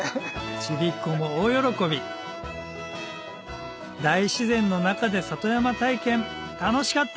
ちびっ子も大喜び大自然の中で里山体験楽しかった！